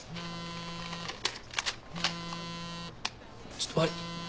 ちょっと悪い。